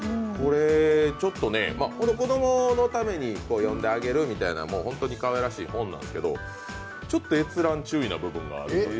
子供のために読んであげるみたいな、本当にかわいらしい本なんですけど、ちょっと閲覧注意な部分があります。